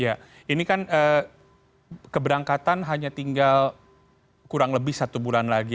ya ini kan keberangkatan hanya tinggal kurang lebih satu bulan lagi